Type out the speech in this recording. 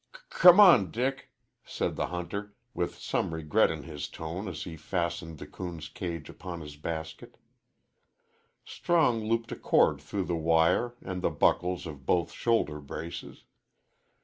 "C come on, Dick," said the hunter, with some regret in his tone as he fastened the coon's cage upon his basket. Strong looped a cord through the wire and the buckles of both shoulder braces.